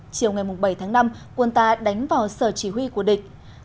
chiều ngày bảy tháng năm quân ta đánh vào sở chỉ huy của địch